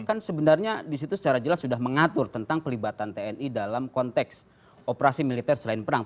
kan sebenarnya disitu secara jelas sudah mengatur tentang pelibatan tni dalam konteks operasi militer selain perang